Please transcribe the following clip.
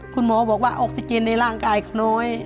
คุณหมอบอกว่าออกซิเจนในร่างกายเขาน้อย